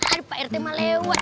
aduh pak rt mah lewat